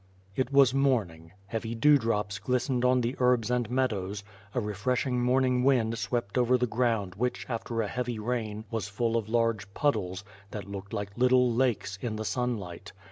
It was morning; heavy dewdrops glistened on the herbs and meadows; a refreshing morning wind swept over the ground which after a heavy rain was full of large puddles, that looked like little lakes, in the sunlight.